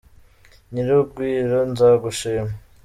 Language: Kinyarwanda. Nyir'urugwiro nzagushima